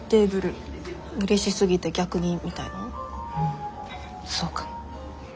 んそうかも。